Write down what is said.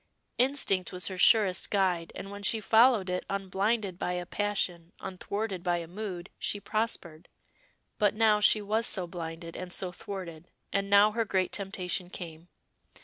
Instinct was her surest guide, and when she followed it unblinded by a passion, unthwarted by a mood, she prospered. But now she was so blinded and so thwarted, and now her great temptation came.